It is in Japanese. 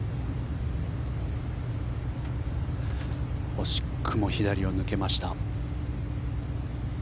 惜しくも左を抜けました。